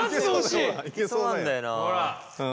いけそうなんだよな。